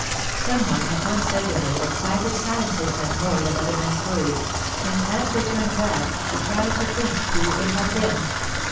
Some one had once said to her that Sybert's silences meant more than other men's words, and as they turned back she tried to think who it had been.